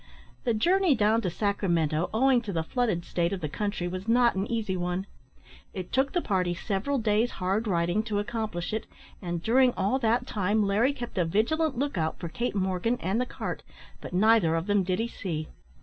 The journey down to Sacramento, owing to the flooded state of the country, was not an easy one. It took the party several days' hard riding to accomplish it, and during all that time Larry kept a vigilant look out for Kate Morgan and the cart, but neither of them did he see.